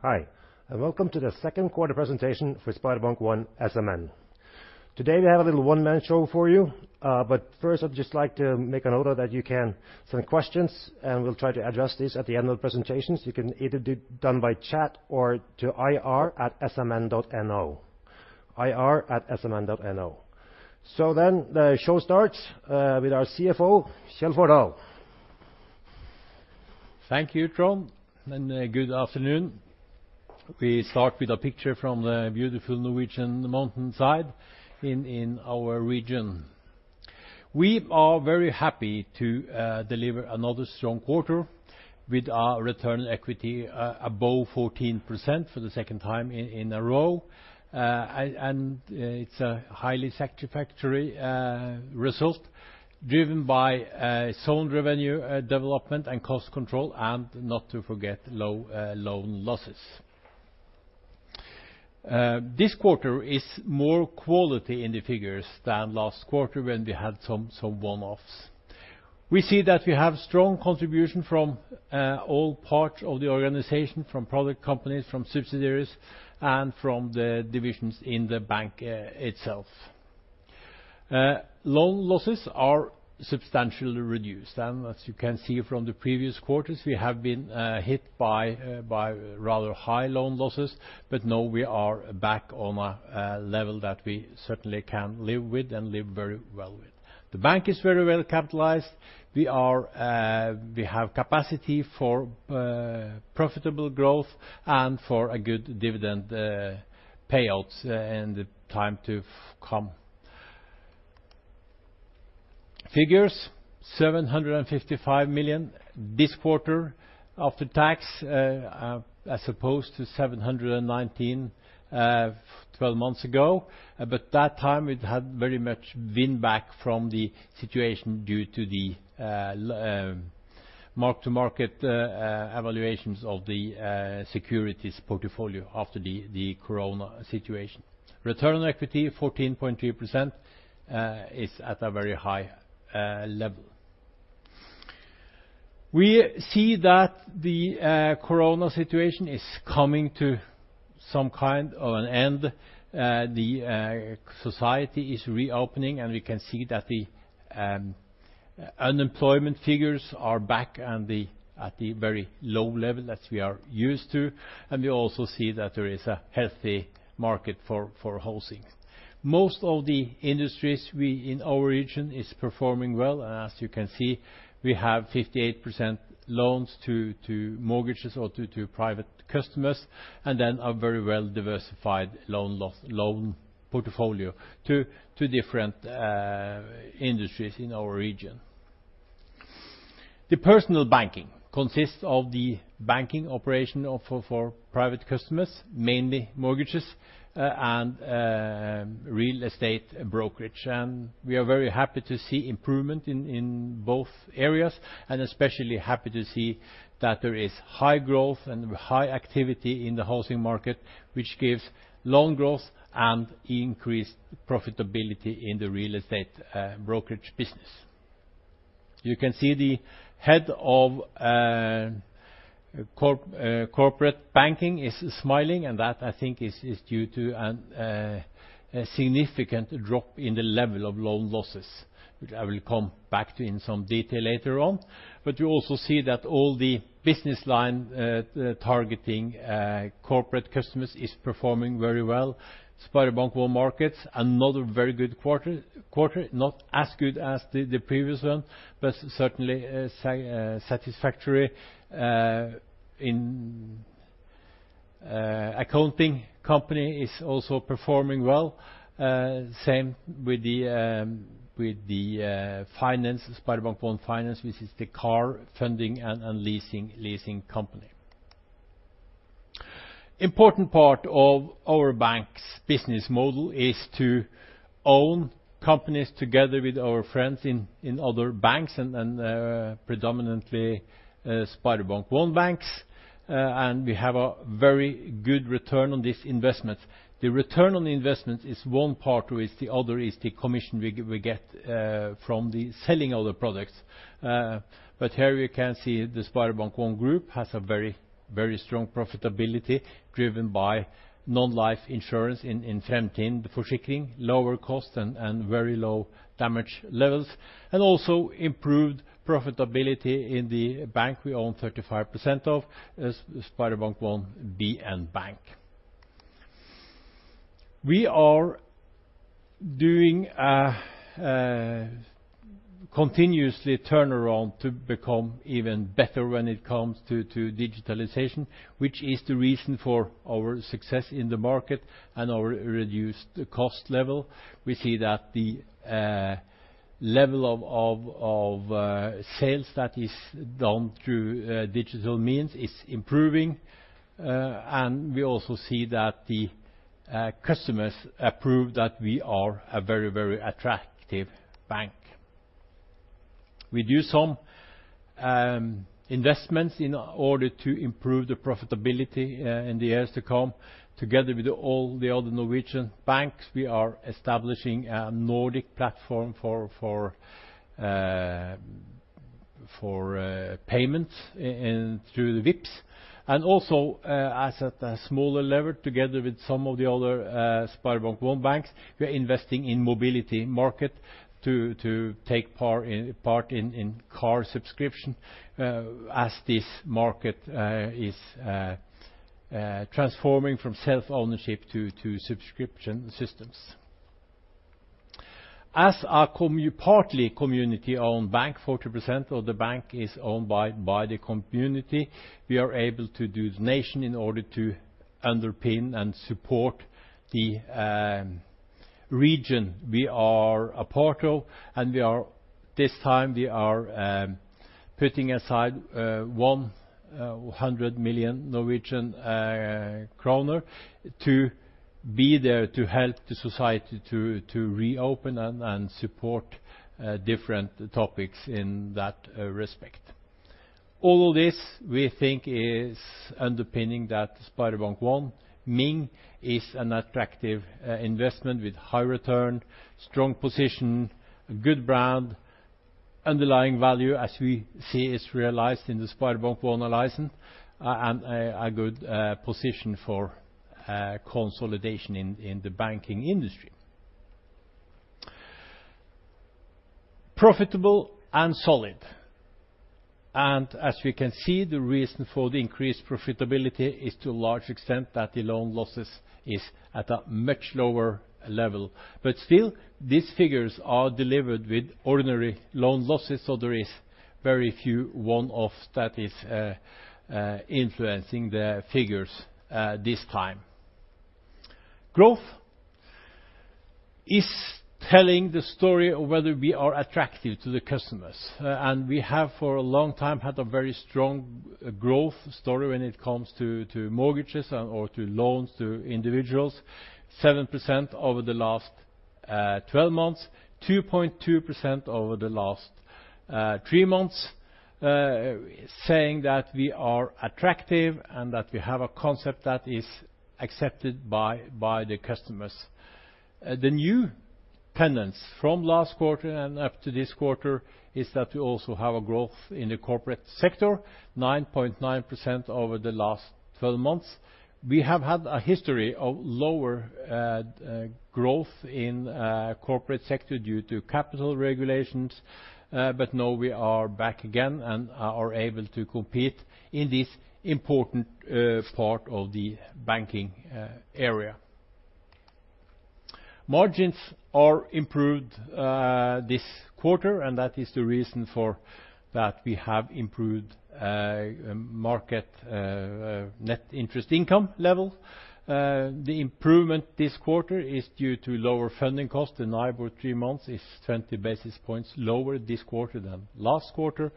Hi, and welcome to the second quarter presentation for SpareBank 1 SMN. Today, we have a little one-man show for you, but first, I'd just like to make a note that you can send questions, and we'll try to address these at the end of the presentations. You can either do it by chat or to ir@smn.no. The show starts with our CFO, Kjell Fordal. Thank you, Trond, and good afternoon. We start with a picture from the beautiful Norwegian mountainside in our region. We are very happy to deliver another strong quarter with our return on equity above 14% for the second time in a row. It's a highly satisfactory result driven by sound revenue development and cost control, and not to forget low loan losses. This quarter is more quality in the figures than last quarter when we had some one-offs. We see that we have strong contribution from all parts of the organization, from product companies, from subsidiaries, and from the divisions in the bank itself. Loan losses are substantially reduced. As you can see from the previous quarters, we have been hit by rather high loan losses, but now we are back on a level that we certainly can live with and live very well with. The bank is very well capitalized. We have capacity for profitable growth and for good dividend payouts in the time to come. Figures, 755 million this quarter after tax, as opposed to 719, 12 months ago. That time, it had very much been back from the situation due to the mark-to-market evaluations of the securities portfolio after the COVID situation. Return on equity, 14.3%, is at a very high level. We see that the COVID situation is coming to some kind of an end. The society is reopening, and we can see that the unemployment figures are back at the very low level as we are used to, and we also see that there is a healthy market for housing. Most of the industries in our region are performing well. As you can see, we have 58% loans to mortgages or to private customers, and then a very well-diversified loan portfolio to different industries in our region. The personal banking consists of the banking operation for private customers, mainly mortgages and real estate brokerage. We are very happy to see improvement in both areas and especially happy to see that there is high growth and high activity in the housing market, which gives loan growth and increased profitability in the real estate brokerage business. You can see the head of corporate banking is smiling, and that I think is due to a significant drop in the level of loan losses. I will come back to in some detail later on. You also see that all the business line targeting corporate customers is performing very well. SpareBank 1 Markets, another very good quarter. Not as good as the previous one, but certainly satisfactory in accounting. Company is also performing well, same with the SpareBank 1 Finans, which is the car funding and leasing company. Important part of our bank's business model is to own companies together with our friends in other banks and predominantly SpareBank 1 banks, and we have a very good return on these investments. The return on the investment is one part. The other is the commission we get from the selling of the products. Here you can see the SpareBank 1 Gruppen has a very strong profitability driven by non-life insurance in Fremtind Forsikring, lower cost and very low damage levels, and also improved profitability in the bank we own 35% of, BN Bank. We are doing a continuously turnaround to become even better when it comes to digitalization, which is the reason for our success in the market and our reduced cost level. We see that the level of sales that is done through digital means is improving, and we also see that the customers approve that we are a very attractive bank. We do some investments in order to improve the profitability in the years to come. Together with all the other Norwegian banks, we are establishing a Nordic platform for payments and through the Vipps. And also, as at a smaller level, together with some of the other SpareBank 1 banks, we are investing in mobility market to take part in car subscription, as this market is transforming from self-ownership to subscription systems. As a partly community-owned bank, 40% of the bank is owned by the community, we are able to do donation in order to underpin and support the region we are a part of. This time, we are putting aside NOK 100 million to be there to help the society to reopen and support different topics in that respect. All of this, we think is underpinning that SpareBank 1 SMN is an attractive investment with high return, strong position, a good brand, underlying value, as we see is realized in the SpareBank 1 Alliance, and a good position for consolidation in the banking industry. Profitable and solid. As we can see, the reason for the increased profitability is to a large extent that the loan losses is at a much lower level. Still, these figures are delivered with ordinary loan losses, so there is very few one-off that is influencing the figures this time. Growth is telling the story of whether we are attractive to the customers. We have, for a long time, had a very strong growth story when it comes to mortgages or to loans to individuals, 7% over the last 12 months, 2.2% over the last three months, saying that we are attractive and that we have a concept that is accepted by the customers. The new trend from last quarter and up to this quarter is that we also have a growth in the corporate sector, 9.9% over the last 12 months. We have had a history of lower growth in corporate sector due to capital regulations. Now we are back again and are able to compete in this important part of the banking area. Margins are improved this quarter, that is the reason for that we have improved market net interest income level. The improvement this quarter is due to lower funding costs. The NIBOR 3 months is 20 basis points lower this quarter than last quarter.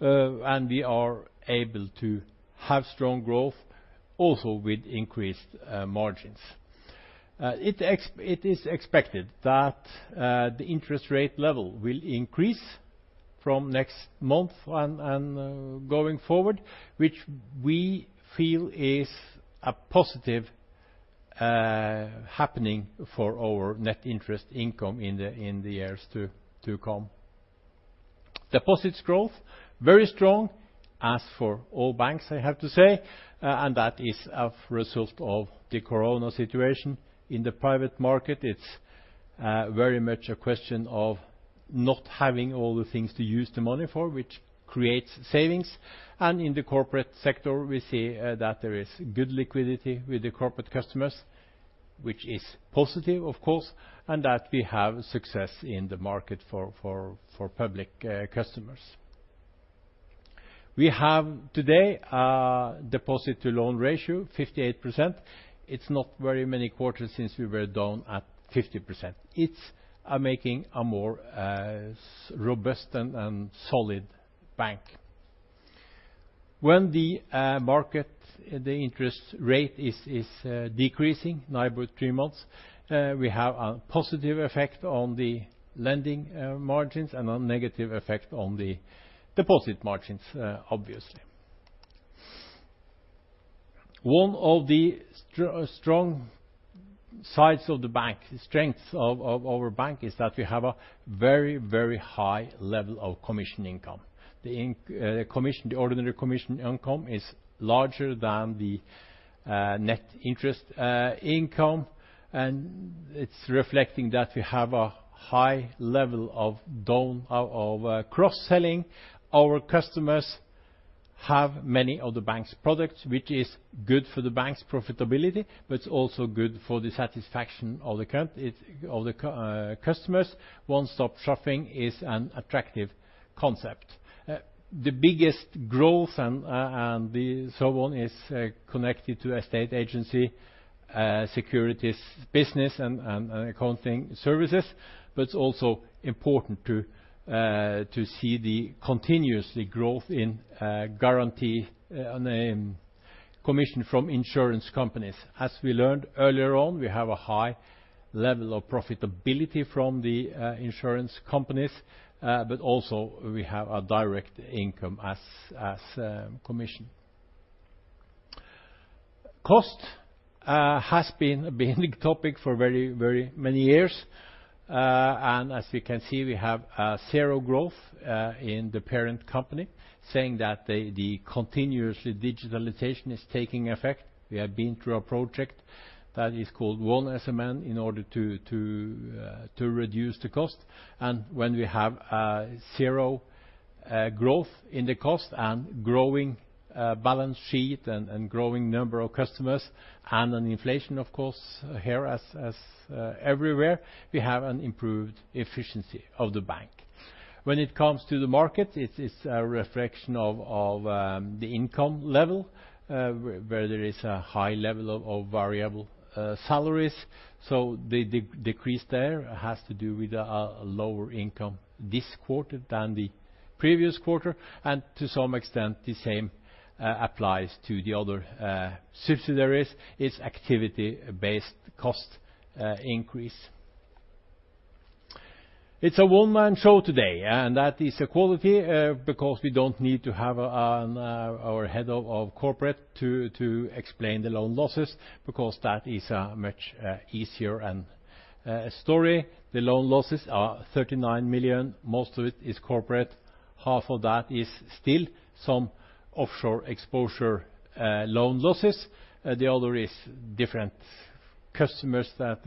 We are able to have strong growth also with increased margins. It is expected that the interest rate level will increase from next month and going forward, which we feel is a positive happening for our net interest income in the years to come. Deposit growth, very strong, as for all banks, I have to say, that is a result of the coronavirus situation. In the private market, it's very much a question of not having all the things to use the money for, which creates savings. In the corporate sector, we see that there is good liquidity with the corporate customers, which is positive, of course, and that we have success in the market for public customers. We have, today, a deposit-to-loan ratio, 58%. It's not very many quarters since we were down at 50%. It's making a more robust and solid bank. The market, the interest rate is decreasing, NIBOR three months, we have a positive effect on the lending margins and a negative effect on the deposit margins, obviously. One of the strong sides of the bank, strengths of our bank is that we have a very high level of commission income. The ordinary commission income is larger than the net interest income, and it's reflecting that we have a high level of cross-selling. Our customers have many of the bank's products, which is good for the bank's profitability, but it's also good for the satisfaction of the customers. One-stop shopping is an attractive concept. The biggest growth and so on is connected to estate agency, securities business, and accounting services. It's also important to see the continuously growth in guarantee commission from insurance companies. As we learned earlier on, we have a high level of profitability from the insurance companies, also we have a direct income as commission. Cost has been a big topic for very many years. As you can see, we have 0 growth in the parent company, saying that the continuous digitalization is taking effect. We have been through a project that is called One SMN in order to reduce the cost. When we have zero growth in the cost and growing balance sheet and growing number of customers and inflation, of course, here as everywhere, we have an improved efficiency of the bank. When it comes to the market, it's a reflection of the income level, where there is a high level of variable salaries. The decrease there has to do with a lower income this quarter than the previous quarter and to some extent the same applies to the other subsidiaries. It's activity-based cost increase. It's a one-man show today, and that is a quality because we don't need to have our head of corporate to explain the loan losses because that is a much easier story. The loan losses are 39 million. Most of it is corporate. Half of that is still some offshore exposure loan losses. The other is different customers that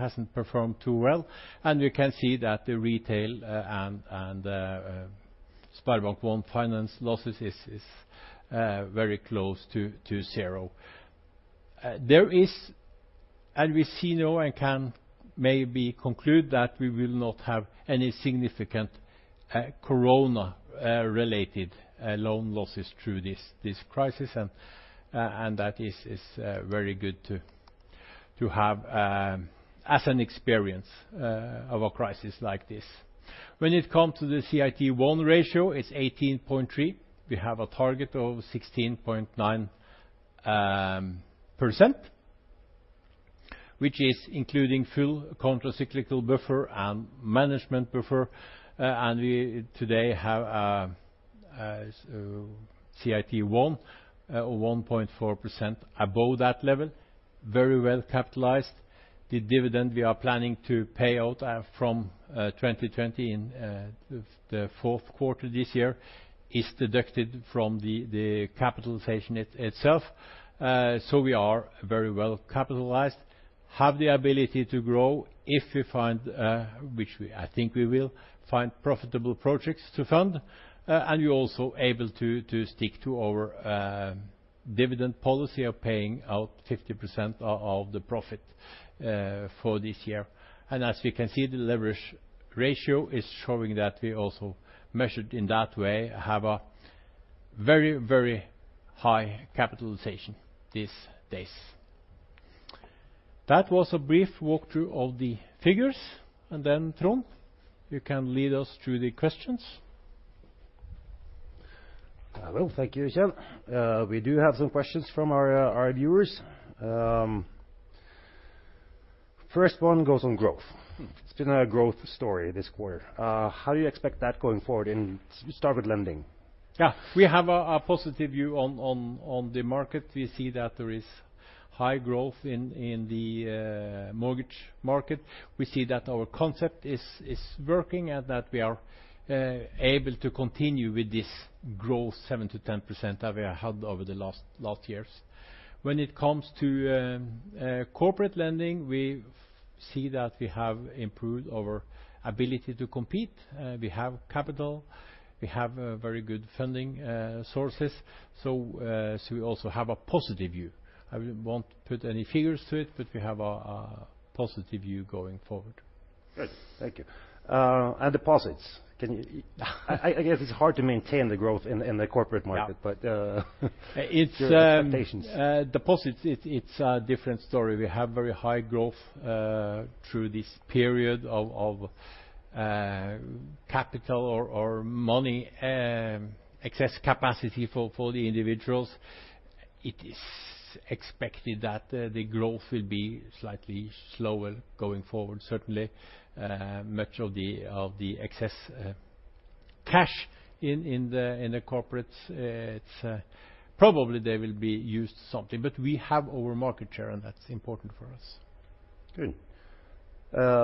hasn't performed too well. We can see that the retail and SpareBank 1 Finance losses is very close to 0. There is, and we see now and can maybe conclude that we will not have any significant corona related loan losses through this crisis. That is very good to have as an experience of a crisis like this. When it comes to the CET1 ratio, it's 18.3%. We have a target of 16.9%, which is including full countercyclical buffer and management buffer. We today have a CET1 of 1.4% above that level, very well capitalized. The dividend we are planning to pay out from 2020 in the fourth quarter this year is deducted from the capitalization itself. We are very well capitalized, have the ability to grow if we find, which I think we will, find profitable projects to fund. We're also able to stick to our dividend policy of paying out 50% of the profit for this year. As we can see, the leverage ratio is showing that we also measured in that way have a very high capitalization these days. That was a brief walkthrough of the figures. Then, Trond, you can lead us through the questions. Hello. Thank you, Kjell. We do have some questions from our viewers. First one goes on growth. It's been a growth story this quarter. How do you expect that going forward and start with lending? Yeah. We have a positive view on the market. We see that there is high growth in the mortgage market. We see that our concept is working and that we are able to continue with this growth 7%-10% that we have had over the last years. When it comes to corporate lending, we see that we have improved our ability to compete. We have capital, we have very good funding sources. We also have a positive view. I won't put any figures to it, but we have a positive view going forward. Good. Thank you. Deposits, I guess it is hard to maintain the growth in the corporate market? It's- your expectations. Deposits, it's a different story. We have very high growth through this period of capital or money, excess capacity for the individuals. It is expected that the growth will be slightly slower going forward. Certainly, much of the excess cash in the corporates, probably they will be used something. We have our market share and that's important for us. Good.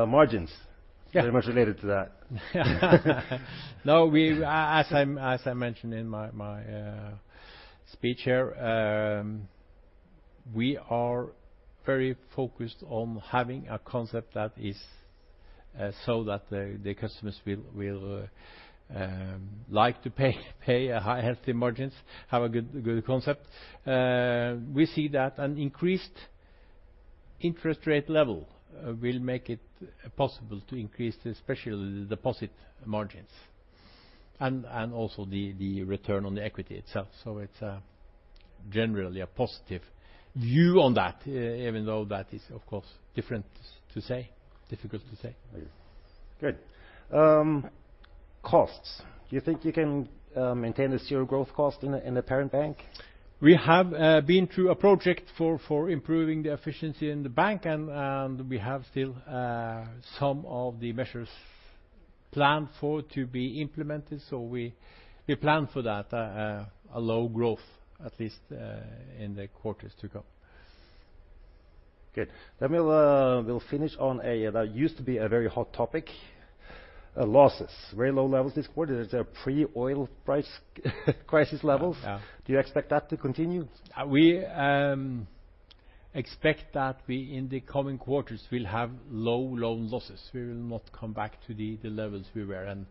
Margins. Yeah. Very much related to that. No, as I mentioned in my speech here, we are very focused on having a concept that is so that the customers will like to pay high healthy margins, have a good concept. We see that an increased interest rate level will make it possible to increase especially the deposit margins and also the return on equity itself. It's generally a positive view on that even though that is, of course, difficult to say. Yes. Good. Costs. Do you think you can maintain the zero growth cost in the parent bank? We have been through a project for improving the efficiency in the bank and we have still some of the measures planned for to be implemented. We plan for that, a low growth at least in the quarters to come. Good. We'll finish on a, that used to be a very hot topic, losses. Very low levels this quarter. Is there pre-oil price crisis levels? Yeah. Do you expect that to continue? We expect that in the coming quarters we'll have low loan losses. We will not come back to the levels we were and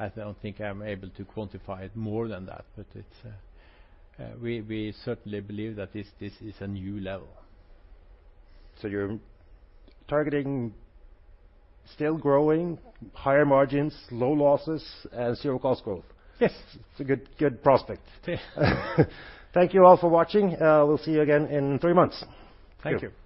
I don't think I'm able to quantify it more than that. We certainly believe that this is a new level. You're targeting still growing higher margins, low losses and zero cost growth? Yes. It's a good prospect. Yeah. Thank you all for watching. We'll see you again in three months. Thank you.